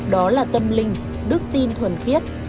đó là tâm linh đức tin thuần khiết